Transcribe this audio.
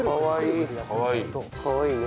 うわいい！